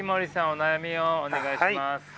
お悩みをお願いします。